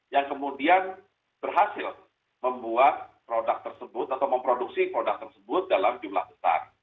yang kemudian berhasil membuat produk tersebut atau memproduksi produk tersebut dalam jumlah besar